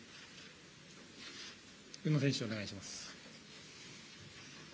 宇野選手、お願いします。